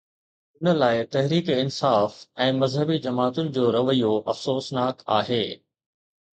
ان لاءِ تحريڪ انصاف ۽ مذهبي جماعتن جو رويو افسوسناڪ آهي.